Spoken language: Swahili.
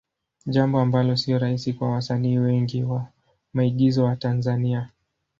Jambo ambalo sio rahisi kwa wasanii wengi wa maigizo wa Tanzania.